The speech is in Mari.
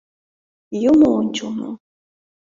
Юмо ончылно!»